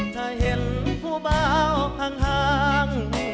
ถ้าเห็นผู้เบาพังทาง